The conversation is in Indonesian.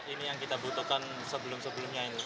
ini yang kita butuhkan sebelum sebelumnya ini